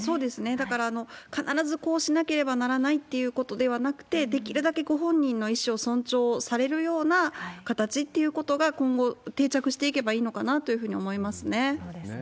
だから、必ずこうしなければならないっていうことではなくて、できるだけご本人の意思を尊重されるような形っていうことが、今後、定着していけばいいのかなというふうに思いますね。